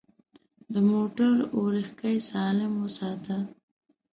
د موټر اورېښکۍ سالم وساته.